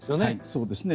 そうですね。